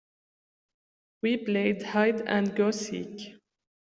We played hide and go seek.